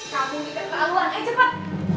kamu dikatakan aluan ayo cepet